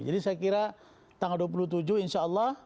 jadi saya kira tanggal dua puluh tujuh insya allah